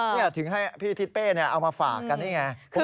นี่ถึงให้พี่ทิศเป้เอามาฝากกันนี่ไง